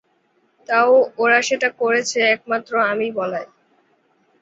তাও ওরা সেটা করেছে একমাত্র আমি বলায়।